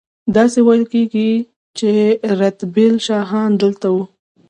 داسې ویل کیږي چې رتبیل شاهان دلته وو